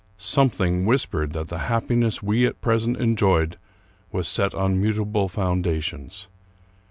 Something whispered that the happiness we at present en joyed was set on mutable foundations.